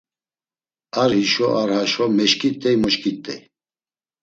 Ar hişo ar haşo meşǩit̆ey moşǩit̆ey.